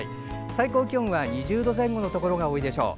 最高気温は２０度前後のところが多いでしょう。